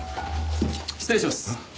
失礼します。